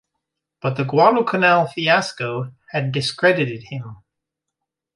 But the Guadalcanal fiasco had discredited him.